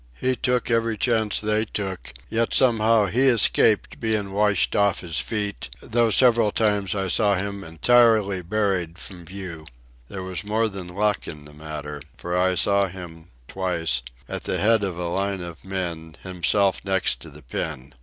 He took every chance they took, yet somehow he escaped being washed off his feet, though several times I saw him entirely buried from view. There was more than luck in the matter; for I saw him, twice, at the head of a line of the men, himself next to the pin.